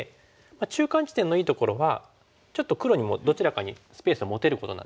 中間地点のいいところはちょっと黒にもどちらかにスペースを持てることなんですね。